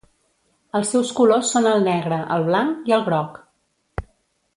Els seus colors són el negre, el blanc i el groc.